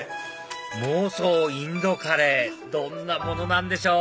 妄想インドカレーどんなものなんでしょう？